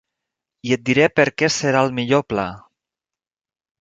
I et diré per què serà el millor pla.